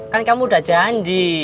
kan kamu udah janji